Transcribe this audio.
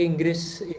di inggris sendiri ya